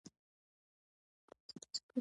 کیسې د ارامو اعصابو د لوست شی دی.